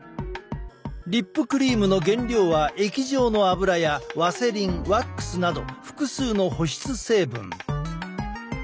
リップクリームの原料は液状の油やワセリンワックスなど複数の保湿成分。